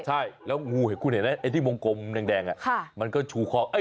ใช่แล้วงูเห็นไหมไอ้ที่มงกลมแดงมันก็ฉู่คอก